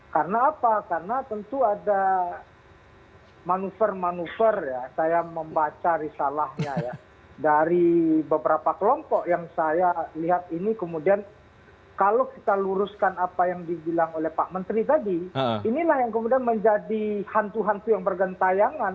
karena apa karena tentu ada manuver manuver ya saya membaca risalahnya ya dari beberapa kelompok yang saya lihat ini kemudian kalau kita luruskan apa yang dibilang oleh pak menteri tadi inilah yang kemudian menjadi hantu hantu yang bergentayangan